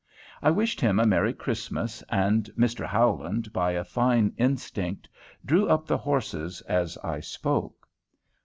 I wished him a merry Christmas, and Mr. Howland, by a fine instinct, drew up the horses as I spoke.